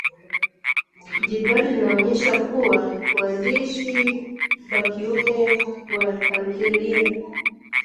Jedwali linaonyesha kuwa waandishi wa kiume wa tamthilia